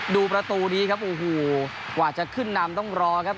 ดูประตูนี้ครับโอ้โหกว่าจะขึ้นนำต้องรอครับ